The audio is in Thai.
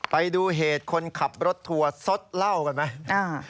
ไปดูเหตุคนขับรถทัวร์สดเหล้ากันไหม